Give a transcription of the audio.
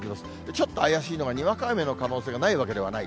ちょっと怪しいのがにわか雨の可能性がないわけではない。